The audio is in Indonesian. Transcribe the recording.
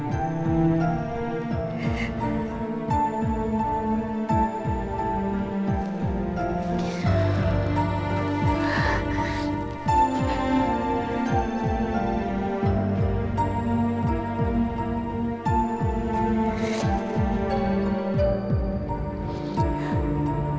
saya lagi selamat